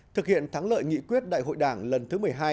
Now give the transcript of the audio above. thực hiện thắng lợi nghị quyết đại hội đảng lần thứ một mươi hai